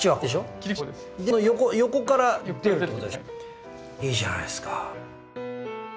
いやこれいいじゃないですか。